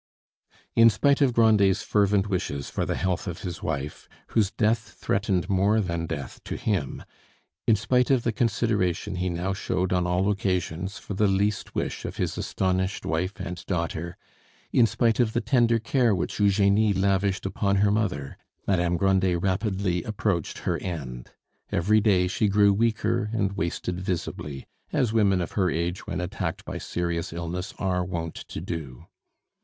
In spite of Grandet's fervent wishes for the health of his wife, whose death threatened more than death to him; in spite of the consideration he now showed on all occasions for the least wish of his astonished wife and daughter; in spite of the tender care which Eugenie lavished upon her mother, Madame Grandet rapidly approached her end. Every day she grew weaker and wasted visibly, as women of her age when attacked by serious illness are wont to do.